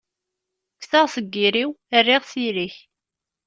Kkseɣ seg iri-w, rriɣ s iri-k.